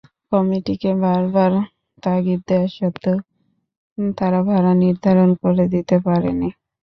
কমিটিকে বারবার তাগিদ দেওয়া সত্ত্বেও তারা ভাড়া নির্ধারণ করে দিতে পারেনি।